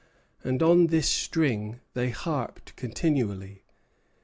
And on this string they harped continually.